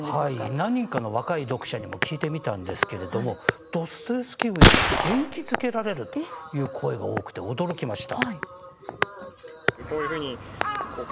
何人かの若い読者にも聞いてみたんですけれどもドストエフスキーを読んで元気づけられるという声が多くて驚きました。